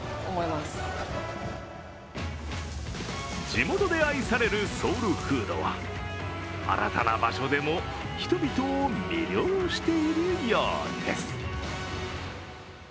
地元で愛されるソウルフードは新たな場所でも人々を魅了しているようです。